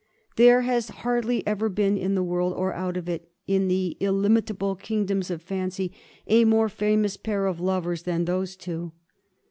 There has hardly ever been in the world, or out of it, in the illimitable kingdoms of fancy, a more famous pair of lovers than these two.